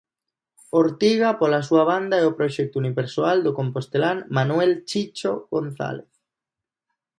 Ortiga, pola súa banda, é o proxecto unipersoal do compostelán Manuel 'Chicho' González.